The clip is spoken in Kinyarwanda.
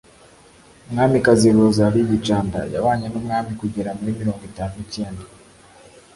Umwamikazi Rosalie Gicanda yabanye n’umwami kugera muri mirongo itanu n’icyenda